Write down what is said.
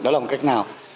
đó là một cách nào